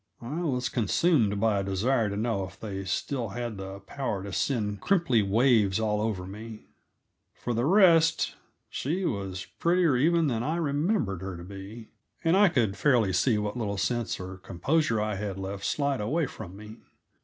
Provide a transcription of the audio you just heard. I was consumed by a desire to know if they still had the power to send crimply waves all over me. For the rest, she was prettier even than I remembered her to be, and I could fairly see what little sense or composure I had left slide away from me.